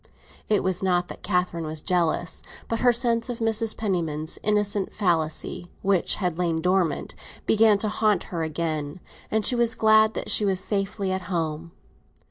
It was not that Catherine was jealous; but her sense of Mrs. Penniman's innocent falsity, which had lain dormant, began to haunt her again, and she was glad that she was safely at home.